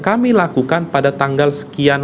kami lakukan pada tanggal sekian